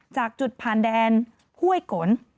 จากจุดผ่านแดนห้วยกล